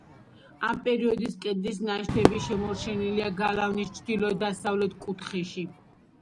ამ პერიოდის კედლის ნაშთები შემორჩენილია გალავნის ჩრდილო-დასავლეთ კუთხეში.